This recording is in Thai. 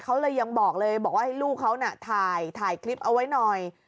เขาเลยยังบอกเลยบอกว่าให้ลูกเขาน่ะถ่ายคลิปเอาไว้หน่อย